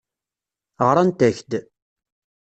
Ɣrant-ak-d.